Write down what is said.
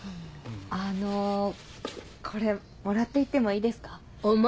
あのこれもらって行ってもいいですか？